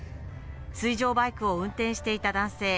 水上バイクを運転していた男性